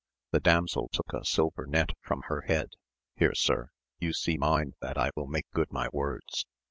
The damsel took a silver net from her head — Here sir, you see mine that I will make good my words.